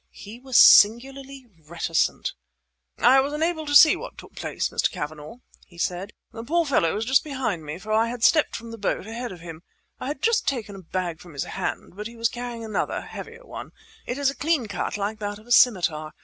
He was singularly reticent. "I was unable to see what took place, Mr. Cavanagh," he said. "The poor fellow was behind me, for I had stepped from the boat ahead of him. I had just taken a bag from his hand, but he was carrying another, heavier one. It is a clean cut, like that of a scimitar.